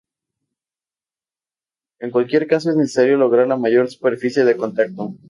En cualquier caso es necesario lograr la mayor superficie de contacto.